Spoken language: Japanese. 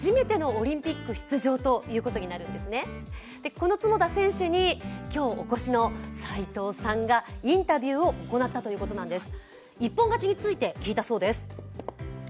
この角田選手に今日お越しの斎藤さんがインタビューを行ったということなんです。